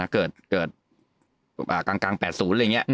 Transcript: เกิดกลาง๘๐อะไรอย่างนี้